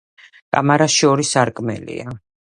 კამარაში ორი სარკმელია.